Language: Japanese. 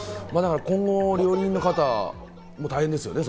今後、料理人の方、大変ですよね。